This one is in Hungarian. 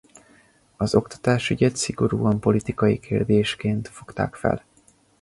Az oktatásügyet szigorúan politikai kérdésként fogták fel.